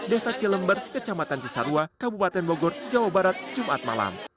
desa cilember kecamatan cisarua kabupaten bogor jawa barat jumat malam